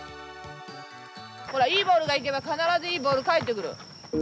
ほらいいボールが行けば必ずいいボール返ってくる。